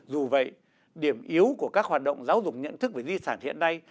dù vậy điểm yếu của các hoạt động giáo dục nhận thức về di sản hiện nay